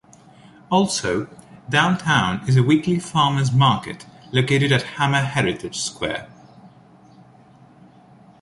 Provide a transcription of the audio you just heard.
Also, downtown is a weekly farmers market located at Hammer Heritage Square.